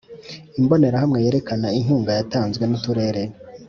Imbonerhamwe yerekana inkunga zatanzwe n uturere